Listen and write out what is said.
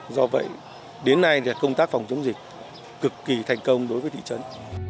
do vậy đến nay công tác phòng chống dịch cực kỳ thành công đối với thị trấn